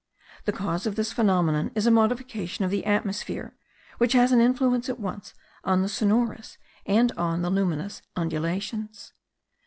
The cause of the phenomenon is a modification of the atmosphere, which has an influence at once on the sonorous and on the luminous undulations.